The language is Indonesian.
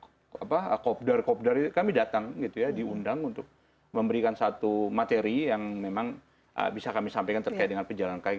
kalau kopdar kopdar itu kami datang gitu ya diundang untuk memberikan satu materi yang memang bisa kami sampaikan terkait dengan pejalan kaki